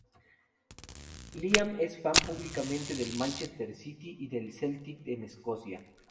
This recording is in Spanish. Liam es fan públicamente del Manchester City, y del Celtic en Escocia.